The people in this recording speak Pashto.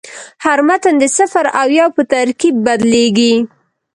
هر متن د صفر او یو په ترکیب بدلېږي.